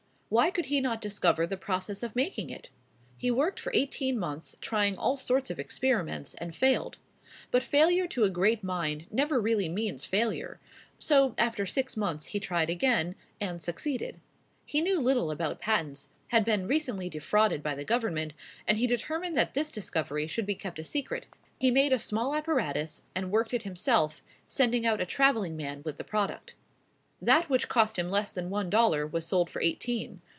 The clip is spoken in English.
Why could he not discover the process of making it? He worked for eighteen months, trying all sorts of experiments, and failed. But failure to a great mind never really means failure; so, after six months, he tried again, and succeeded. He knew little about patents, had been recently defrauded by the Government; and he determined that this discovery should be kept a secret. He made a small apparatus, and worked it himself, sending out a travelling man with the product. That which cost him less than one dollar was sold for eighteen.